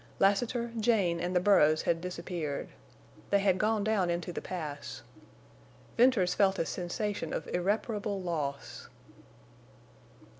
Lassiter, Jane, and the burros had disappeared. They had gone down into the Pass. Venters felt a sensation of irreparable loss.